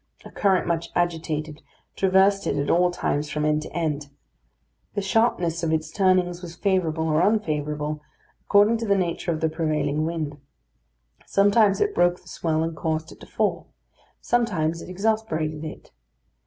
A current, much agitated, traversed it at all times from end to end. The sharpness of its turnings was favourable or unfavourable, according to the nature of the prevailing wind; sometimes it broke the swell and caused it to fall; sometimes it exasperated it.